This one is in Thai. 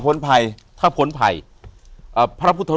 อยู่ที่แม่ศรีวิรัยิลครับ